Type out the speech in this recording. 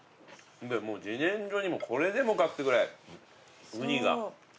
でもう自然薯にもこれでもかってぐらいウニが。